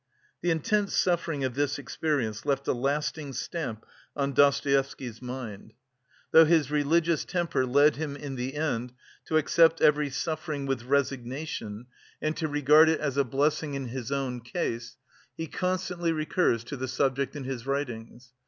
The intense suffering of this experience left a lasting stamp on Dostoevsky's mind. Though his religious temper led him in the end to accept every suffering with resignation and to regard it as a blessing in his own case, he constantly recurs to the subject in his writings.